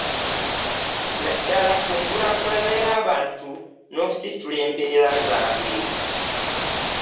Naddala ku nkulaakulana y'abantu n'okusitula embeera zaabwe.